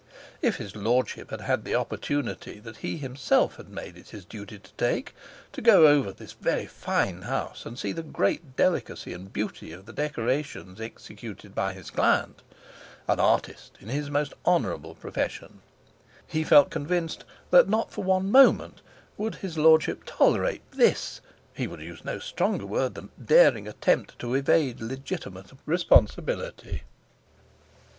If his Lordship had had the opportunity that he himself had made it his duty to take, to go over this very fine house and see the great delicacy and beauty of the decorations executed by his client—an artist in his most honourable profession—he felt convinced that not for one moment would his Lordship tolerate this, he would use no stronger word than daring attempt to evade legitimate responsibility.